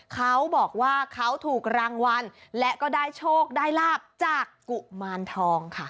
เขาบอกว่าเขาถูกรางวัลและก็ได้โชคได้ลาบจากกุมารทองค่ะ